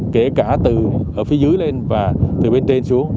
kể cả từ ở phía dưới lên và từ bên trên xuống